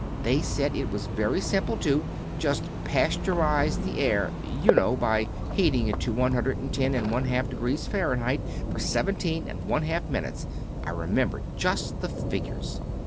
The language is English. They said it was very simple, too. Just pasteurize the air, you know, by heating it to one hundred and ten and one half degrees Fahrenheit for seventeen and one half minutes. I remember just the figures."